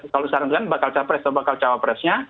kalau disarankan bakal capres atau bakal cawapresnya